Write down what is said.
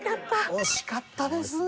惜しかったですね。